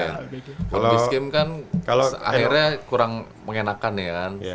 world beach game kan akhirnya kurang menyenangkan ya kan